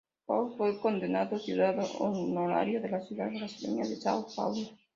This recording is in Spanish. Faust fue condecorado ciudadano honorario de la ciudad brasileña de São Paulo.